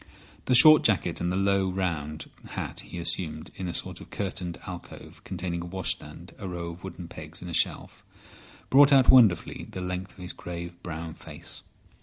The short jacket and the low, round hat he assumed in a sort of curtained alcove containing a washstand, a row of wooden pegs and a shelf, brought out wonderfully the length of his grave, brown face.